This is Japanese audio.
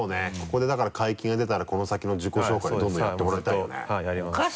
ここでだから「解禁」が出たらこの先の自己紹介でどんどんやってもらいたいね。